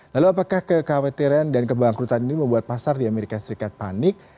lalu apakah kekhawatiran dan kebangkrutan ini membuat pasar di amerika serikat panik